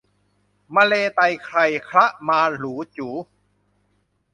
มะเลไตไคลคละมะหรูจู๋